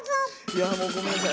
いやもうごめんなさい。